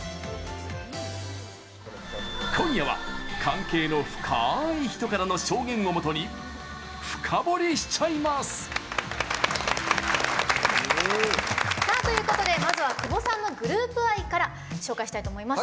今夜は、関係の深い人からの証言をもとに深掘りしちゃいます！ということでまずは久保さんの「グループ愛」から紹介したいと思います。